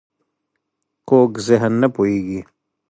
کوږ ذهن نه پوهېږي